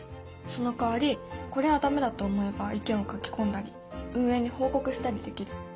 そのかわりこれは駄目だと思えば意見を書き込んだり運営に報告したりできる。